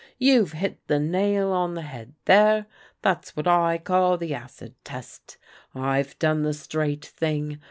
" You've hit the nail on the head there. That's what I call the ' acid test.' I have done the straight thing.